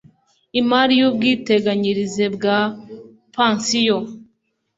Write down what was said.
Imari y ubwiteganyirize bwa pansiyo